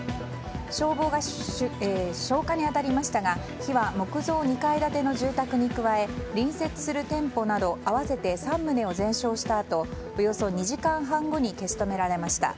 消防が消火に当たりましたが火は木造２階建ての住宅に加え隣接する店舗など合わせて３棟を全焼したあとおよそ２時間半後に消し止められました。